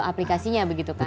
aplikasinya begitu kan